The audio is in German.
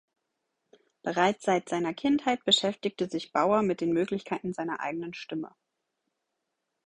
Bereits seit seiner Kindheit beschäftigte sich Bauer mit den Möglichkeiten seiner eigenen Stimme.